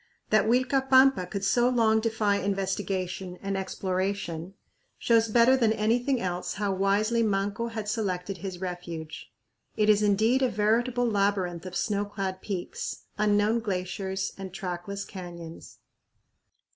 That Uilcapampa could so long defy investigation and exploration shows better than anything else how wisely Manco had selected his refuge. It is indeed a veritable labyrinth of snow clad peaks, unknown glaciers, and trackless canyons.